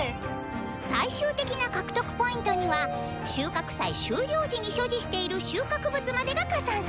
最終的な獲得Ｐには収穫祭終了時に所持している収穫物までが加算されます。